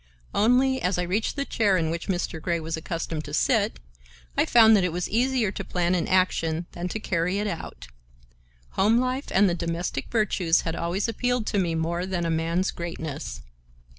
Only, as I reached the chair in which Mr. Grey was accustomed to sit, I found that it was easier to plan an action than to carry it out. Home life and the domestic virtues had always appealed to me more than a man's greatness.